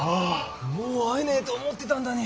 もう会えねぇと思ってたんだに。